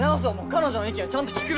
彼女の意見をちゃんと聞くべきだろ！